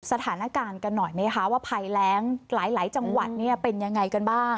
สถานการณ์กันหน่อยไหมคะว่าภัยแรงหลายจังหวัดเป็นยังไงกันบ้าง